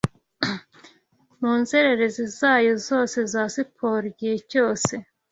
Mu nzererezi zayo zose za siporo, igihe cyose